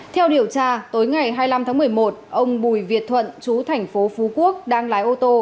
theo điều tra tối ngày hai mươi năm tháng một mươi một ông bùi việt thuận chú thành phố phú quốc đang lái ô tô